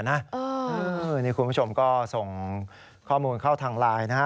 นี่คุณผู้ชมก็ส่งข้อมูลเข้าทางไลน์นะฮะ